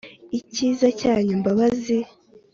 Icyiza cyanyu Mbabazi